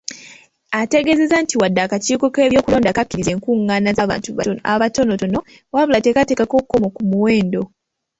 Ategeezezza nti wadde akakiiko k'ebyokulonda kakkiriza enkungaana ez'abantu abatonotono, wabula tekaateekako kkomo ku muwendo.